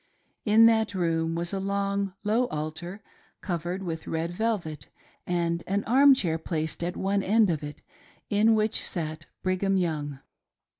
In that room was a long, low altar, covered with red velvet, and an arm chair placed at one end of it, in which sat Brigham Young.